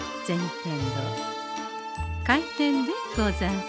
天堂開店でござんす。